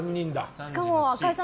しかも、赤井さん